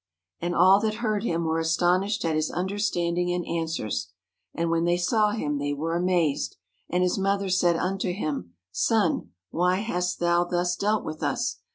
And all that heard him were astonished at his understanding and answers. And when they saw him they were amazed. And his mother said unto him: Son, why hast thou thus dealt with us?